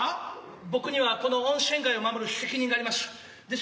僕にはこの温泉街を守る責任がありましゅ。